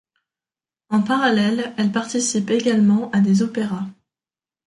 En parallèle, elle participe également à des opéras.